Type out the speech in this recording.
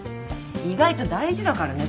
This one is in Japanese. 意外と大事だからね